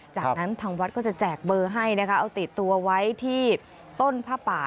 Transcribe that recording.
จากนั้นทางวัดก็จะแจกเบอร์ให้นะคะเอาติดตัวไว้ที่ต้นผ้าป่า